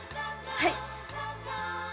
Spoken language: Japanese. はい！